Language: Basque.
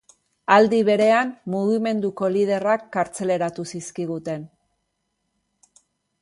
Aldi berean, mugimenduko liderrak kartzelaratu zizkiguten.